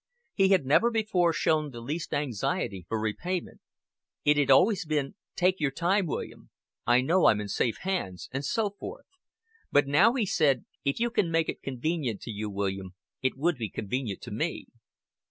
He had never before shown the least anxiety for repayment; it had always been "Take your time, William. I know I'm in safe hands," and so forth; but now he said, "If you can make it convenient to you, William, it would be convenient to me."